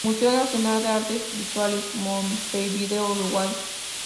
Museo Nacional de Artes Visuales, Montevideo, Uruguay.